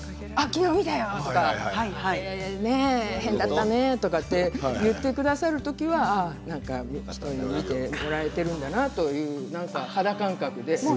昨日見たよとか、変だったねとか言ってくださる時は見てもらえているんだなという肌感覚で。